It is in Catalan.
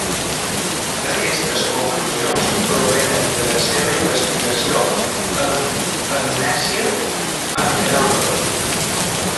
Aquestes conclusions provenen de la seva investigació amb amnèsia anterògrada.